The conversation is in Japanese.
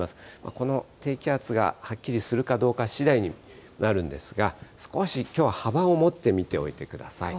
この低気圧がはっきりするかどうかしだいになるんですが、少しきょうは幅を持って見ておいてください。